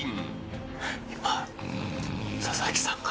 今佐々木さんが。